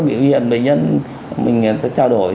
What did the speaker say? bệnh viện bệnh nhân mình sẽ trao đổi